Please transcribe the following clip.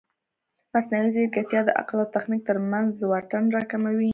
مصنوعي ځیرکتیا د عقل او تخنیک ترمنځ واټن راکموي.